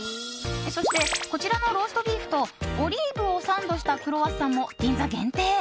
そして、こちらのローストビーフとオリーブをサンドしたクロワッサンも銀座限定。